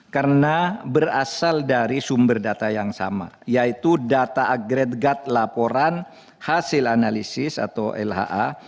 karena berasal dari sumber data yang sama yaitu data agregat laporan hasil analisis atau lha